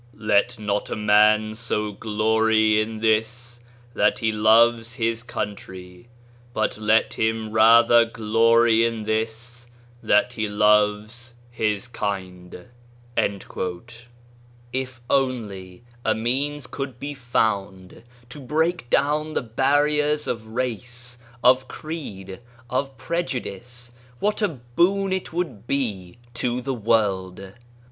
Let not a man so glory in this, that he loves his country : but let him rather glory in this, that he loves his kind !" If only a means could be found to break down the barriers of race, of creed, of prejudice, what a boon it would be to the world